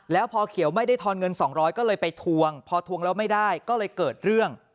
แล้วพอเขียวไม่ได้ทอนเงิน๒๐๐ก็เลยไปทวงพอทวงแล้วไม่ได้ก็เลยเกิดเรื่อง